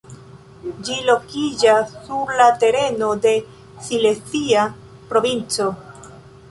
Ĝi lokiĝas sur la tereno de Silezia Provinco.